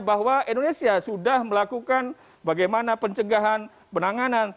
bahwa indonesia sudah melakukan bagaimana pencegahan penanganan